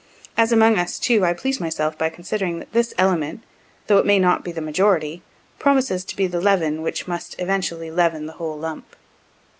As among us, too, I please myself by considering that this element, though it may not be the majority, promises to be the leaven which must eventually leaven the whole lump.